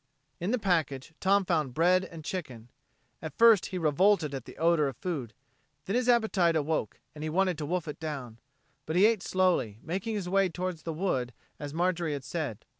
In the package Tom found bread and chicken. At first he revolted at the odor of food, then his appetite awoke and he wanted to wolf it down. But he ate slowly, making his way toward the wood as Marjorie had said.